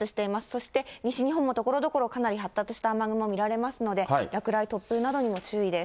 そして、西日本もところどころ、かなり発達した雨雲見られますので、落雷、突風などにも注意です。